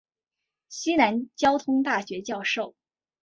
西南交通大学教授。